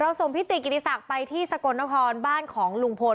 ส่งพิติกิติศักดิ์ไปที่สกลนครบ้านของลุงพล